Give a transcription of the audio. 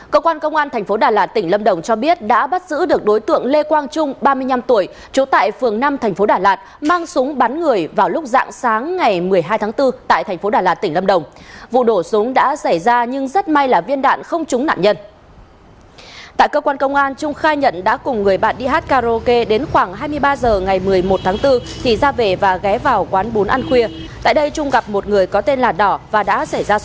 các bạn hãy đăng ký kênh để ủng hộ kênh của chúng mình nhé